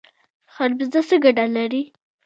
خربوزه څه ګټه لري؟